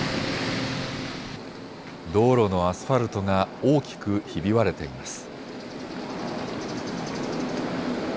道路のアスファルトが大きくひび割れています。